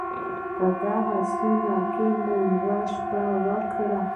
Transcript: په دغې سیمه کې مو یوه شپه وکړه.